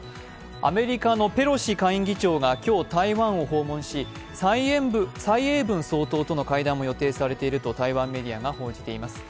アメリカのペロシ下院議長が今日、台湾を訪問し、蔡英文総統との会談も予定されているとされています。